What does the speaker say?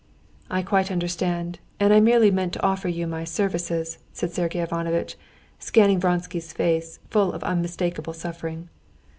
"I quite understand, and I merely meant to offer you my services," said Sergey Ivanovitch, scanning Vronsky's face, full of unmistakable suffering.